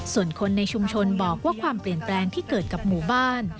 ส่วนคนในชุมชนบอกว่าความเปลี่ยนแปลงที่เกิดกับหมู่บ้าน